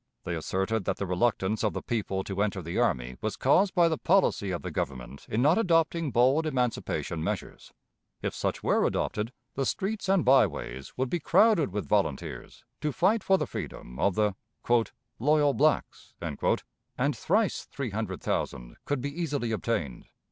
They asserted that the reluctance of the people to enter the army was caused by the policy of the Government in not adopting bold emancipation measures. If such were adopted, the streets and by ways would be crowded with volunteers to fight for the freedom of the "loyal blacks," and thrice three hundred thousand could be easily obtained.